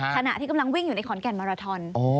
ขณะที่กำลังวิ่งอยู่ในขอนแก่นมาราทอน